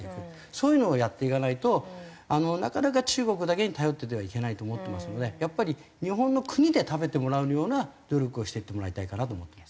そういうのをやっていかないとなかなか中国だけに頼っていてはいけないと思ってますのでやっぱり日本の国で食べてもらうような努力をしていってもらいたいかなと思ってます。